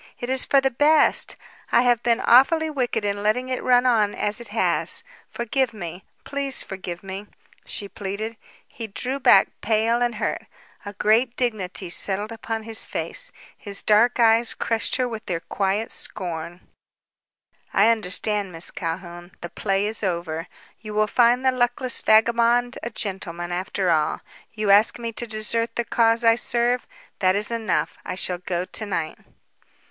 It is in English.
It is for the best. I have been awfully wicked in letting it run on as it has. Forgive me, please forgive me," she pleaded. He drew back, pale and hurt. A great dignity settled upon his face. His dark eyes crushed her with their quiet scorn. "I understand, Miss Calhoun. The play is over. You will find the luckless vagabond a gentleman, after all. You ask me to desert the cause I serve. That is enough. I shall go to night."